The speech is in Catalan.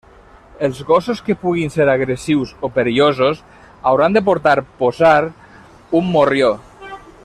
Els gossos que puguin ser agressius o perillosos hauran de portar posar un morrió.